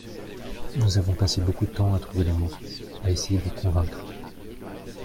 Nous avons passé beaucoup de temps à trouver les mots, à essayer de convaincre.